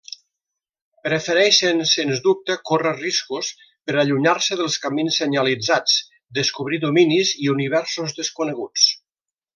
Prefereixen sens dubte córrer riscos per allunyar-se dels camins senyalitzats, descobrir dominis i universos desconeguts.